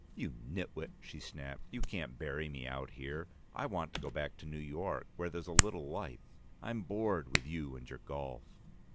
"You nit wit!" she snapped. "You can't bury me out here. I want to go back to New York, where there's a little life. I'm bored with you and your golf."